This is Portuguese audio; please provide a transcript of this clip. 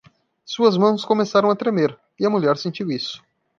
Suas mãos começaram a tremer? e a mulher sentiu isso.